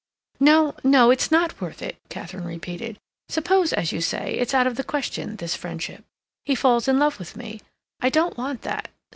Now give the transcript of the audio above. "No, no, it's not worth it," Katharine repeated. "Suppose, as you say, it's out of the question—this friendship; he falls in love with me. I don't want that.